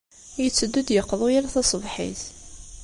Yetteddu ad d-yeqḍu yal taṣebḥit.